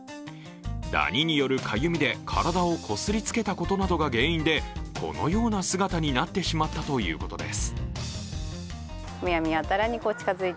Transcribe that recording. ダニによるかゆみで体をこすりつけたことなどが原因でこのような姿になってしまったということです。